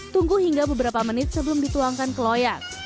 tunggu hingga beberapa menit sebelum dituangkan ke loyal